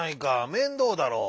面倒だろう。